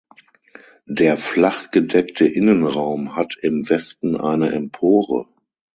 Der flachgedeckte Innenraum hat im Westen eine Empore.